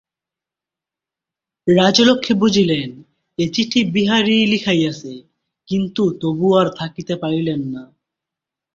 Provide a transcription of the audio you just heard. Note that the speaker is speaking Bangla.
রাজলক্ষ্মী বুঝিলেন, এ চিঠি বিহারীই লিখাইয়াছে–কিন্তু তবু আর থাকিতে পারিলেন না।